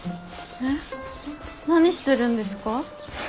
えっ何してるんですか？